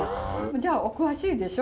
じゃあお詳しいでしょ？